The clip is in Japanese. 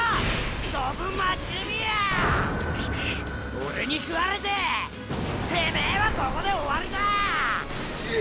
オレに食われててめえはここで終わりだ！